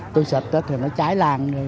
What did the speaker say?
tôi xịt thì nó cháy lan